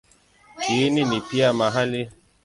Kiini ni pia mahali pa kutokea kwa joto.